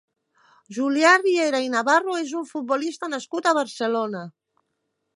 Julià Riera i Navarro és un futbolista nascut a Barcelona.